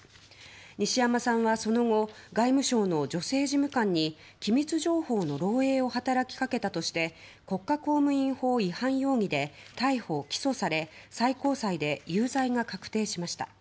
西山さんは、その後外務省の女性事務官に機密情報の漏洩を働きかけたとして国家公務員法違反容疑で逮捕・起訴され最高裁で有罪が確定しました。